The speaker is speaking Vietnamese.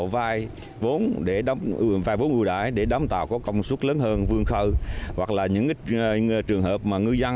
vai vốn vô đại để đám tàu có công suất lớn hơn vương khờ hoặc là những trường hợp mà ngư dân